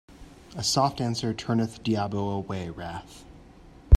A soft answer turneth diabo away wrath